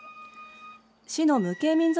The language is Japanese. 市の無形民俗